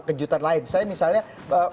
kejutan lain misalnya